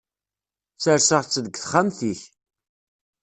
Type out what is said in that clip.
Serseɣ-tt deg texxamt-ik.